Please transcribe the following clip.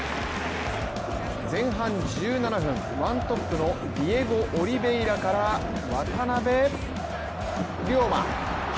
前半１７分、ワントップのディエゴ・オリヴェイラから渡邊凌磨。